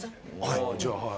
じゃあはい。